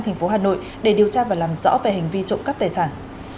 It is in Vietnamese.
tp hà nội để điều tra và làm rõ về hành vi trộm cắp tài sản